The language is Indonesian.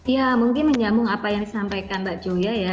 ya mungkin menyambung apa yang disampaikan mbak joya ya